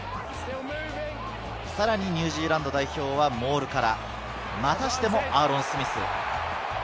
さらにニュージーランド代表はモールから、またしてもアーロン・スミス。